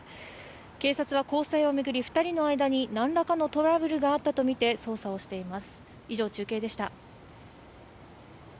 警察は交際を巡り、２人の間に何らかのトラブルがあったとみて捜査をしています。